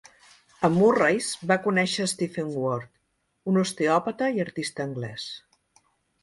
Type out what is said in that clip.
A Murray's va conèixer Stephen Ward, un osteòpata i artista anglès.